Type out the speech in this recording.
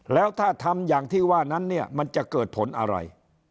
แล้วถ้าทำอย่างที่ว่านั้นเนี่ยมันจะเกิดผลอะไร